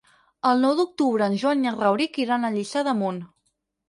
El nou d'octubre en Joan i en Rauric iran a Lliçà d'Amunt.